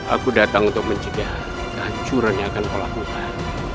aku datang untuk mencegah kehancuran yang akan kau lakukan